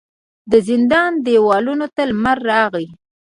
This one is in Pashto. د زندان و دیوالونو ته لمر راغلی